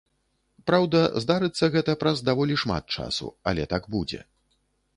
Праўда, здарыцца гэта праз даволі шмат часу, але так будзе.